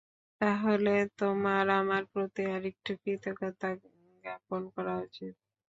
তাহলে, তোমার আমার প্রতি আরেকটু কৃতজ্ঞতা জ্ঞাপন করা উচিত।